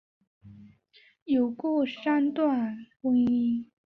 有过三段婚姻。